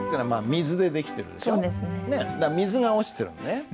水が落ちてるのね。